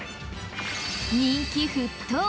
人気沸騰！